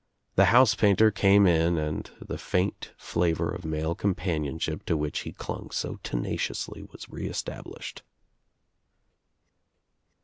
The house painter came in and the faint flavor of male companionship to which he clung so tenaciously was reestablished.